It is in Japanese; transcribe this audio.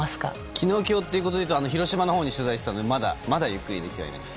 昨日、今日ということでいうと広島のほうに取材に行っていたのでまだゆっくりできていません。